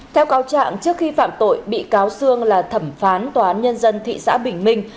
theo cáo trạng trước khi phạm tội bị cáo sương là thẩm phán tòa án nhân dân thị xã bình minh